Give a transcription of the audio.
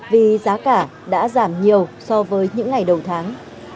vì giá cả đã giảm nhiều so với những ngày đầu tháng